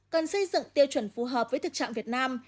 cần xây dựng tiêu chuẩn phù hợp với thực trạng việt nam